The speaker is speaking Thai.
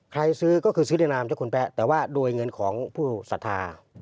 ซื้อก็คือซื้อในนามเจ้าคุณแป๊ะแต่ว่าโดยเงินของผู้ศรัทธา